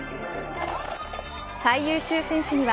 最優秀選手には